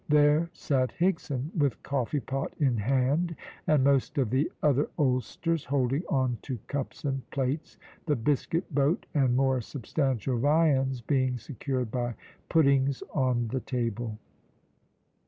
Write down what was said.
There sat Higson, with coffee pot in hand, and most of the other oldsters holding on to cups and plates, the biscuit boat and more substantial viands being secured by puddings on the table.